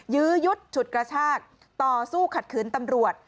ยื้อยุดฉุดกระชากต่อสู้ขัดขืนตำรวจ